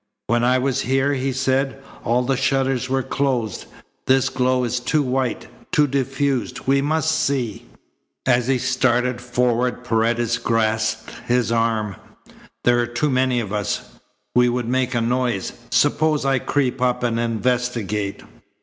"When I was here," he said, "all the shutters were closed. This glow is too white, too diffused. We must see." As he started forward Paredes grasped his arm. "There are too many of us. We would make a noise. Suppose I creep up and investigate."